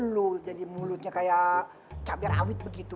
lu jadi mulutnya kayak cabiar awit begitu